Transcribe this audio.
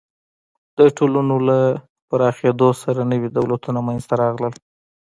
د ټولنو له پراخېدو سره نوي دولتونه منځ ته راغلل.